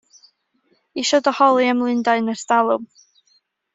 Isio dy holi am Lundain ers talwm!